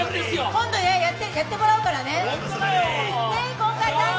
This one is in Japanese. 今度やってもらうからね。